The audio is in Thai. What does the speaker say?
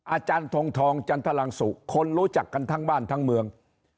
อาจารย์ทงทองจันทรลังสุคนรู้จักกันทั้งบ้านทั้งเมือง